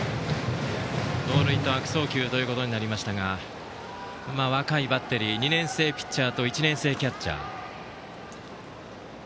盗塁と悪送球となりましたが若いバッテリー２年生ピッチャーと１年生キャッチャー。